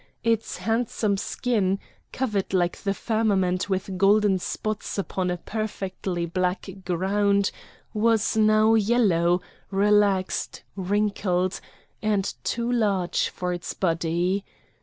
Its handsome skin, covered like the firmament with golden spots upon a perfectly black ground, was now yellow, relaxed, wrinkled, and too large for its body.